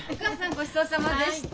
ごちそうさまでした。